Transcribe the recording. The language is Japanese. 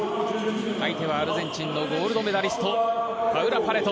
相手はアルゼンチンのゴールドメダリストパウラ・パレト。